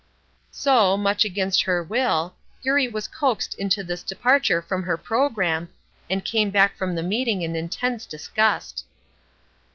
So, much against her will, Eurie was coaxed into this departure from her programme, and came back from the meeting in intense disgust.